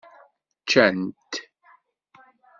Ccant.